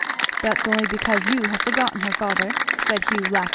"That's only because you have forgotten her, father," said Hugh laughing.